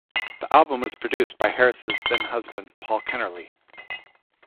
The album was produced by Harris' then-husband, Paul Kennerley.